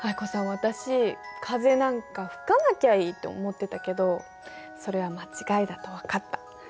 私風なんか吹かなきゃいいって思ってたけどそれは間違いだと分かった。